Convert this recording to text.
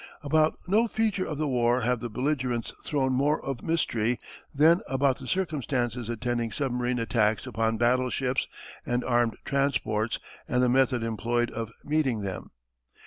About no feature of the war have the belligerents thrown more of mystery than about the circumstances attending submarine attacks upon battleships and armed transports and the method employed of meeting them.